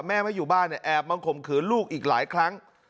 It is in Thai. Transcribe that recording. แม่ไม่อยู่บ้านเนี่ยแอบมาข่มขืนลูกอีกหลายครั้ง